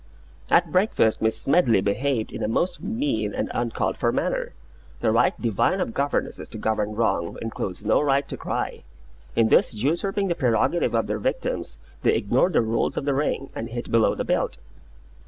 At breakfast Miss Smedley behaved in a most mean and uncalled for manner. The right divine of governesses to govern wrong includes no right to cry. In thus usurping the prerogative of their victims, they ignore the rules of the ring, and hit below the belt.